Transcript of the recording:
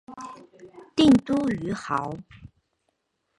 定都于亳。